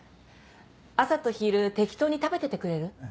朝と昼適当に食べててくれる？